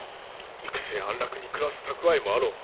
行く末安楽に暮らす蓄えもあろう。